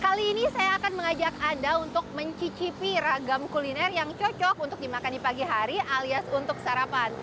kali ini saya akan mengajak anda untuk mencicipi ragam kuliner yang cocok untuk dimakan di pagi hari alias untuk sarapan